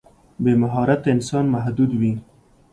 بې مهارته انسان محدود وي.